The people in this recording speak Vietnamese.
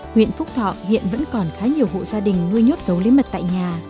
huyện phúc thọ hiện vẫn còn khá nhiều hộ gia đình nuôi nhốt gấu lấy mật tại nhà